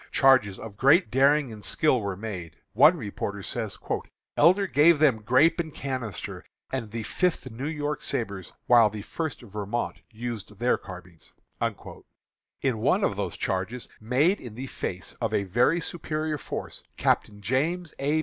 Charges of great daring and skill were made. One reporter says: "Elder gave them grape and canister, and the Fifth New York sabres, while the First Vermont used their carbines." In one of those charges, made in the face of a very superior force, Captain James A.